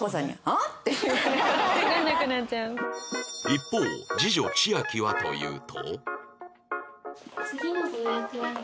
一方次女千秋はというと